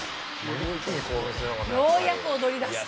ようやく踊りだすと。